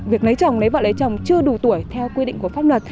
việc lấy chồng lấy vợ lấy chồng chưa đủ tuổi theo quy định của pháp luật